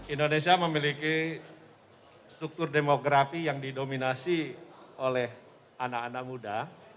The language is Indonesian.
indonesia memiliki struktur demografi yang didominasi oleh anak anak muda